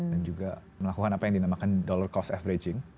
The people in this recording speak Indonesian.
dan juga melakukan apa yang dinamakan dollar cost averaging